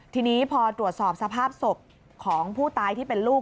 ทีนี้พอตรวจสอบสภาพศพของผู้ตายที่เป็นลูก